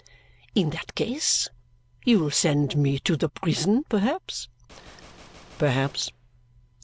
"In that case you will send me to the prison, perhaps?" "Perhaps."